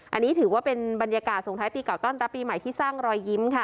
อันนี้ถือว่าเป็นบรรยากาศส่งท้ายปีเก่าต้อนรับปีใหม่ที่สร้างรอยยิ้มค่ะ